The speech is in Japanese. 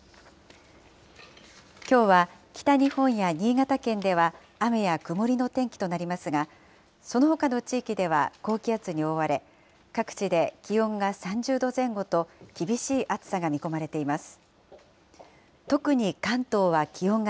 きょうは北日本や新潟県では雨や曇りの天気となりますが、そのほかの地域では高気圧に覆われ、各地で気温が３０度前後と、厳しい暑さが見込まれています。